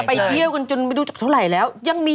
ไปเที่ยวกันจนไม่รู้เท่าไหร่แล้ว